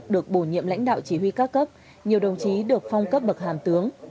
được bổ nhiệm lãnh đạo chỉ huy các cấp nhiều đồng chí được phong cấp bậc hàm tướng